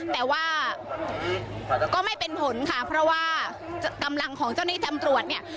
แต่ว่าก็ไม่เป็นผลค่ะเพราะว่ากำลังของเจ้าหน้าที่ตำรวจเนี่ย